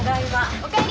お帰り！